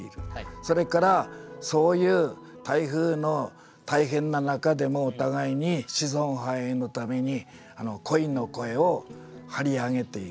それからそういう台風の大変な中でもお互いに子孫繁栄のために恋の声を張り上げている。